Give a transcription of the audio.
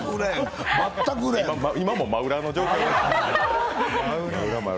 今も真裏の状況です。